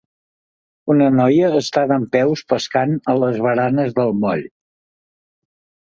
Una noia està dempeus pescant a les baranes del moll.